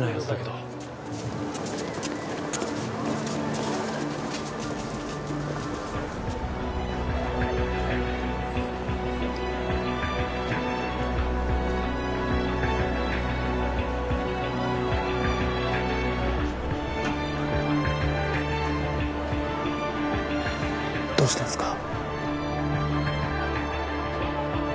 どうしたんすか？